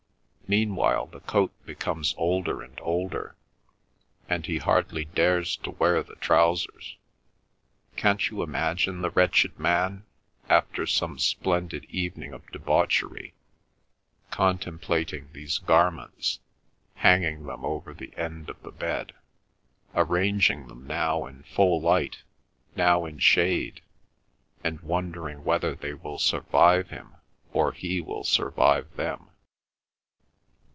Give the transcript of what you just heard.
Meanwhile the coat becomes older and older, and he hardly dares to wear the trousers. Can't you imagine the wretched man, after some splendid evening of debauchery, contemplating these garments—hanging them over the end of the bed, arranging them now in full light, now in shade, and wondering whether they will survive him, or he will survive them?